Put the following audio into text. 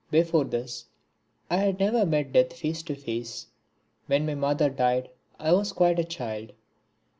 Before this, I had never met Death face to face. When my mother died I was quite a child.